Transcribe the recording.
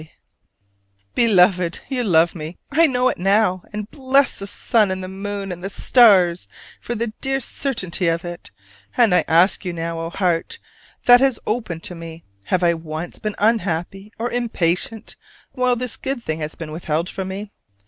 K. Beloved: You love me! I know it now, and bless the sun and the moon and the stars for the dear certainty of it. And I ask you now, O heart that has opened to me, have I once been unhappy or impatient while this good thing has been withheld from me?